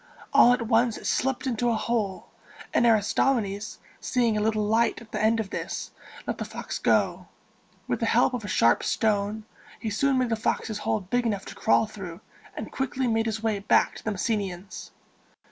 All at once it slipped into a hole; and Aristomenes, seeing a little light at the end of this, let the fox go. With the help of a sharp stone, he soon made the fox's hole big enough to crawl through, and quickly made his way back to the Messenians.